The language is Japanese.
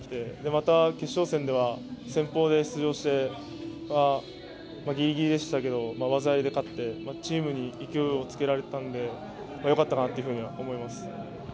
また、決勝戦では先方で出場してギリギリでしたけど技ありで勝ってチームに勢いをつけられたので、よかったかなというふうに思います。